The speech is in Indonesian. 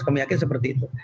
kami yakin seperti itu